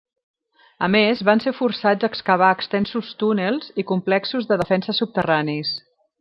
A més van ser forçats a excavar extensos túnels i complexos de defensa subterranis.